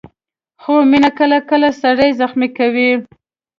خو مینه کله کله سړی زخمي کوي.